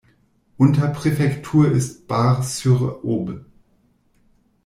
Unterpräfektur ist Bar-sur-Aube.